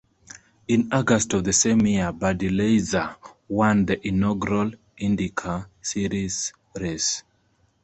In August of the same year, Buddy Lazier won the inaugural IndyCar Series race.